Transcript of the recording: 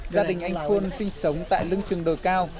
gia đình anh phôn sinh sống tại lưng trường đồi cao